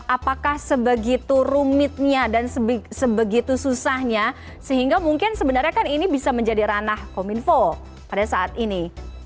apakah sebegitu rumitnya dan sebegitu susahnya sehingga mungkin sebenarnya kan ini bisa menjadi ranah kominfo pada saat ini